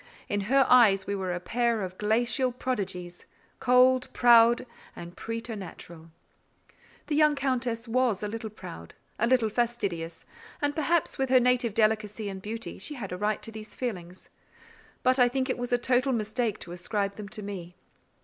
In her eyes, we were a pair of glacial prodigies, cold, proud, and preternatural. The young Countess was a little proud, a little fastidious: and perhaps, with her native delicacy and beauty, she had a right to these feelings; but I think it was a total mistake to ascribe them to me.